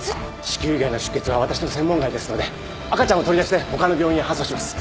子宮以外の出血は私の専門外ですので赤ちゃんを取り出して他の病院へ搬送します。